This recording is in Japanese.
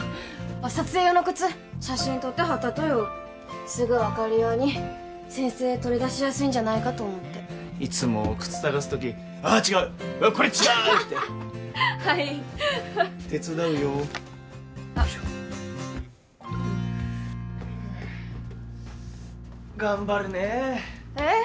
撮影用の靴写真撮って貼ったとよすぐ分かるように先生取り出しやすいんじゃないかと思っていつも靴探す時「ああ違うこれ違う！」ってはいい手伝うよよいしょ頑張るねええ？